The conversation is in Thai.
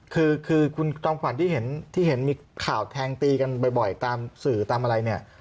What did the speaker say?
คือคุณจอมขวัญที่เห็นที่เห็นมีข่าวแทงตีกันบ่อยตามสื่อตามอะไรเนี่ย